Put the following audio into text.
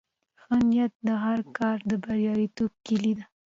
ښه نیت د هر کار د بریالیتوب کیلي ده.